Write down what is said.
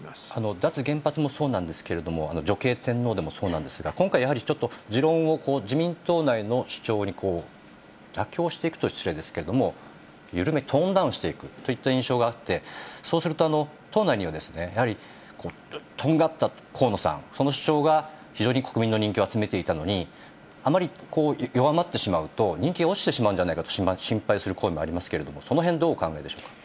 脱原発もそうなんですけれども、女系天皇でもそうなんですが、今回、やはりちょっと、持論を、こう、自民党内の主張に妥協していくというと失礼ですけれども、緩め、トーンダウンしていくといった印象があって、そうすると、党内にはやはりとんがった河野さん、その主張が非常に国民の人気を集めていたのに、あまりこう、弱まってしまうと、人気が落ちてしまうんじゃないかと心配する声もありますけれども、そのへん、どうお考えでしょうか。